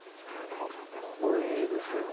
かっこいいですよ。